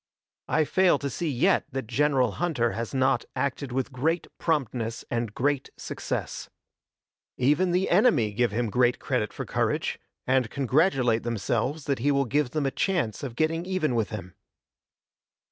I fail to see yet that General Hunter has not acted with great promptness and great success. Even the enemy give him great credit for courage, and congratulate themselves that he will give them a chance of getting even with him.